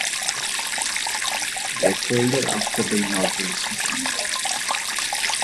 They folded after the inaugural season.